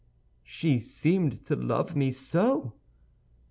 "She seemed to love me so!"